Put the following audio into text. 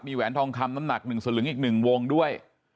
แหวนทองคำน้ำหนัก๑สลึงอีก๑วงด้วย